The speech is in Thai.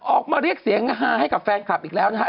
ออกมาเรียกเสียงฮาให้กับแฟนคลับอีกแล้วนะฮะ